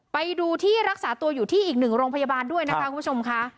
ไปดูที่รักษาตัวอยู่ที่อีกหนึ่งโรงพยาบาลด้วยนะคะคุณผู้ชมค่ะ